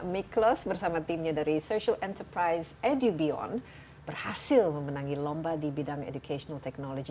miklos bersama timnya dari social enterprise edubion berhasil memenangi lomba di bidang educational technology